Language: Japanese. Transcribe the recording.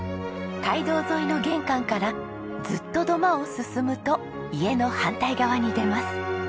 街道沿いの玄関からずっと土間を進むと家の反対側に出ます。